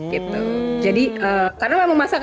gitu jadi karena memang masak